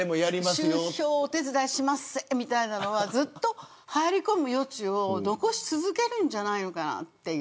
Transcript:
集票お手伝いしますみたいなのはずっと入り込む余地を残し続けるんじゃないのかなって。